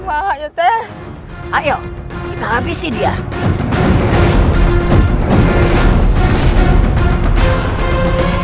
aku tidak mau